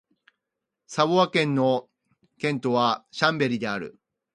サヴォワ県の県都はシャンベリである